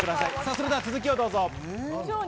それでは続きをどうぞ。